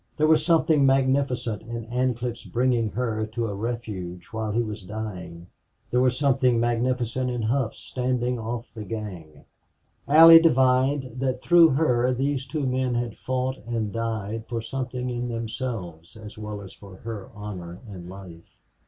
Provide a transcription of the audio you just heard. There was something magnificent in Ancliffe's bringing her to a refuge while he was dying; there was something magnificent in Hough's standing off the gang. Allie divined that through her these two men had fought and died for something in themselves as well as for her honor and life.